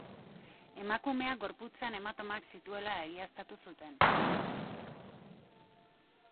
Emakumeak gorputzean hematomak zituela egiaztatu zuten.